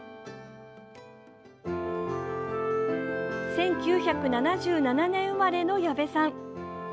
１９７７年生まれの矢部さん。